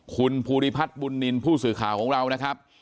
คุณภูริพัฒน์บุญนินทร์ผู้สื่อข่าวของเรานะครับ